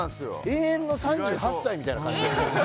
永遠の３８歳みたいな感じ。